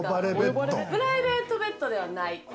プライベートベッドではない。